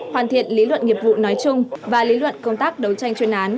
hoàn thiện lý luận nghiệp vụ nói chung và lý luận công tác đấu tranh chuyên án